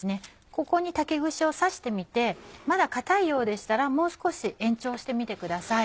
ここに竹串を刺してみてまだ硬いようでしたらもう少し延長してみてください。